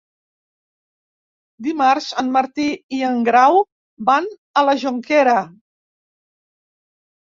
Dimarts en Martí i en Grau van a la Jonquera.